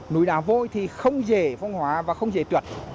núi đà vôi thì không dễ phong hóa và không dễ trượt